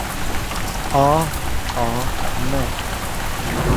А, а, не.